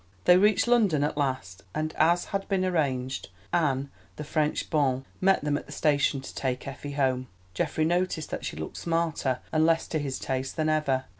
They reached London at last, and as had been arranged, Anne, the French bonne, met them at the station to take Effie home. Geoffrey noticed that she looked smarter and less to his taste than ever.